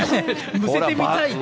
むせてみたいって。